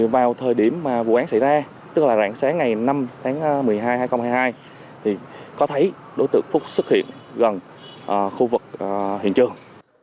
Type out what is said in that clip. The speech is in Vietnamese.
vào thời điểm vụ án xảy ra tức là rạng sáng ngày năm tháng một mươi hai hai nghìn hai mươi hai thì có thấy đối tượng phúc xuất hiện gần khu vực hiện trường